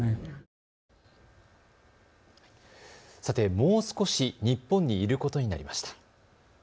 もう少し日本にいることになりました。